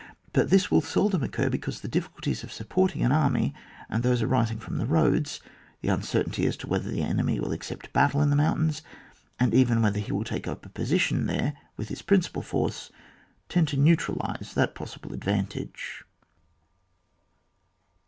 But this will seldom occur, because the difficulties of supporting an army, and those arising from the roads, the uncertainty as to whether the enemy will accept battle in the mountains, and even whether he will take up a position there with his prin cipal force, tend to neutralise that pos sible advantage.